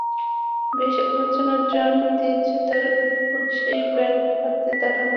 বেশ আলোচনার জন্ম দিয়েছে তাঁর অদ্ভুত সেই ব্যাট হাতে দাঁড়ানোর ভঙ্গি।